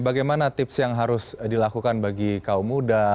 bagaimana tips yang harus dilakukan bagi kaum muda